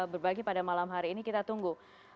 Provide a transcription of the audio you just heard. berbagi pada malam hari ini kita tunggu